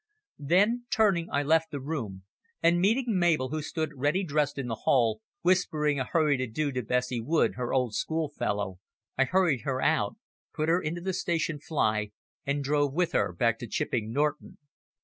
Then turning I left the room, and meeting Mabel, who stood ready dressed in the hall, whispering a hurried adieu to Bessie Wood, her old schoolfellow, I hurried her out, put her into the station fly, and drove with her back to Chipping Norton.